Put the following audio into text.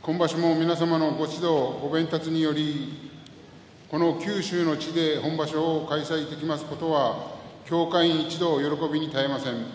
今場所も皆様のご指導、ごべんたつによりこの九州の地で本場所を開催できますことは協会員一同、喜びに堪えません。